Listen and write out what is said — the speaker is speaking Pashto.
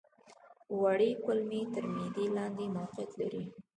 وړې کولمې تر معدې لاندې موقعیت لري.